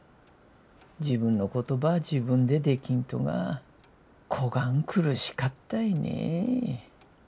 自分のことば自分でできんとがこがん苦しかったいね。